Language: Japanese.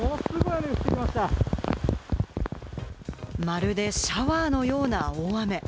まるでシャワーのような大雨。